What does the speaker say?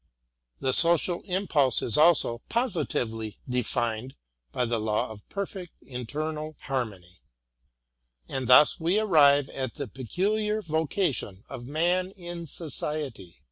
The social impulse is also positively defined by the law of perfect internal harmony, and thus we arrive at the peculiar vocation of man in Society.